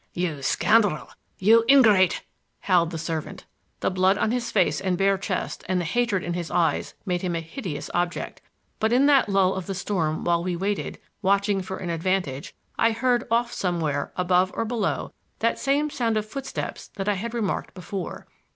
"You scoundrel—you ingrate!" howled the servant. The blood on his face and bare chest and the hatred in his eves made him a hideous object; but in that lull of the storm while we waited, watching for an advantage, I heard off somewhere, above or below, that same sound of footsteps that I had remarked before.